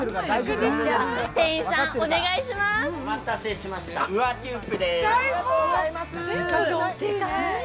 お待たせしました、ウアテュープです。